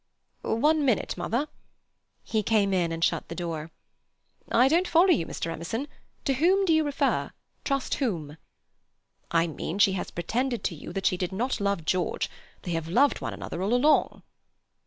"One minute, mother." He came in and shut the door. "I don't follow you, Mr. Emerson. To whom do you refer? Trust whom?" "I mean she has pretended to you that she did not love George. They have loved one another all along."